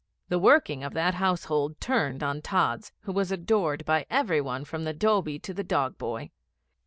The working of that household turned on Tods, who was adored by every one from the dhoby to the dog boy.